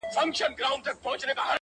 له عالمه پټ پنهان د زړه په ویر یم »!.